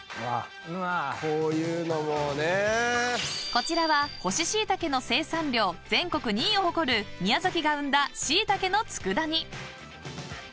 ［こちらは干し椎茸の生産量全国２位を誇る宮崎が生んだ椎茸の佃煮］